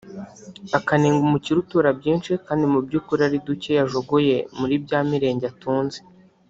akanenga umukire utura byinshi kandi mu by’ukuri ari duke yajogoye muri bya Mirenge atunze